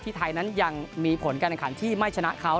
ไทยนั้นยังมีผลการแข่งขันที่ไม่ชนะเขา